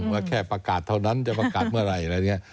ว่าแค่ประกาศเท่านั้นจะประกาศเมื่อไหร่อะไรอย่างนี้